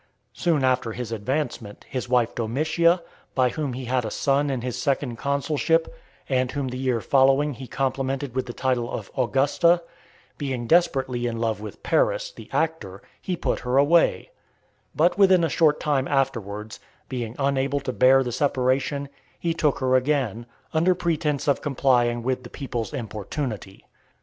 Soon after his advancement, his wife Domitia, by whom he had a son in his second consulship, and whom the year following he complimented with the title of Augusta, being desperately in love with Paris, the actor, he put her away; but within a short time afterwards, being unable to bear the separation, he took her again, under pretence of complying with the people's importunity.